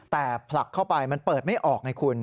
แต่ผลักเข้าไปมันเปิดไม่ออกไงคุณ